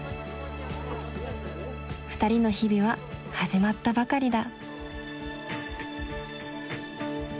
ふたりの日々は始まったばかりだ。